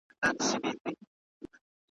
د غوايی چي به یې ږغ وو اورېدلی `